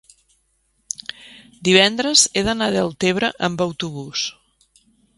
divendres he d'anar a Deltebre amb autobús.